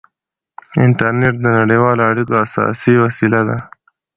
انټرنېټ د نړیوالو اړیکو اساسي وسیله ده.